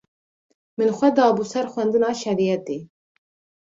min xwe dabû ser xwendina şerîetê